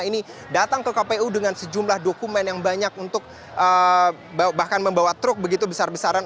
ini datang ke kpu dengan sejumlah dokumen yang banyak untuk bahkan membawa truk begitu besar besaran